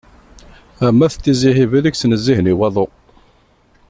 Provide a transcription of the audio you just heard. Am at tizi Hibel i yettnezzihen i waḍu.